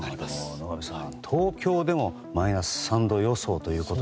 野上さん、東京でもマイナス３度予想だと。